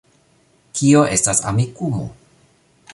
Kio estas Amikumu